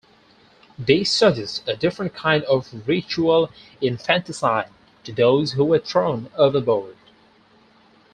This suggests a different kind of ritual infanticide to those who were thrown overboard.